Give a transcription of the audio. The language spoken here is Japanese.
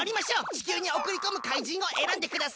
ちきゅうにおくりこむ怪人をえらんでください。